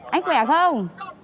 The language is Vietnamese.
anh khỏe không